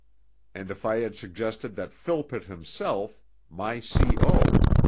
And if I had suggested that Philpott himself, my C.O.